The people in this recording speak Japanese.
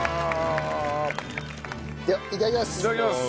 ではいただきます。